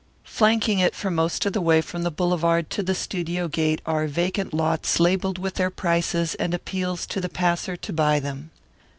Flanking it for most of the way from the boulevard to the studio gate are vacant lots labelled with their prices and appeals to the passer to buy them.